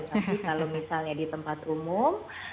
tapi kalau misalnya di tempat umum